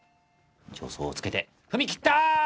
助走をつけて踏み切った！